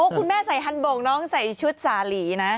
คุณแม่ใส่ฮันโบ่งน้องใส่ชุดสาหรี่นะ